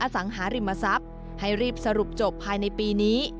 สังหาริมทรัพย์ให้รีบสรุปจบภายในปีนี้